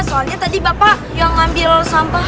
soalnya tadi bapak yang ngambil sampah